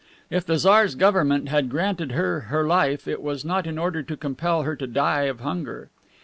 If the Tsar's government had granted her her life, it was not in order to compel her to die of hunger.